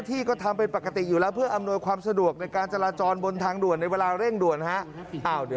ที่เราไปหาตำรวจเราอยากไปหาอะไรครับ